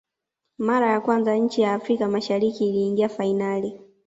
mara ya kwanza nchi ya afrika mashariki iliingia fainali